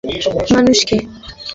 ভিতর থেইক্কা নষ্ট, কইরা দেয় মানুষকে।